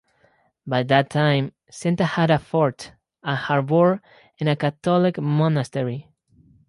By that time Senta had a fort, a harbour and a Catholic monastery.